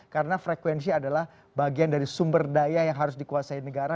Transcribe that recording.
karena frekuensi adalah bagian dari sumber daya yang harus dikuasai negara